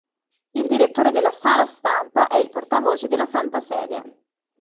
Il direttore della Sala stampa è il portavoce della Santa Sede.